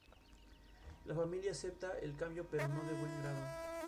La familia acepta el cambio pero no de buen grado.